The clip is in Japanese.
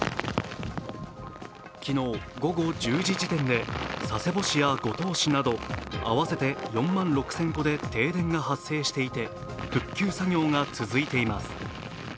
昨日午後１０時時点で佐世保市や五島市など合わせて４万６０００戸で停電が発生していて復旧作業が続いています。